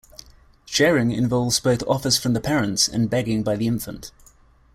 Sharing involves both offers from the parents and begging by the infant.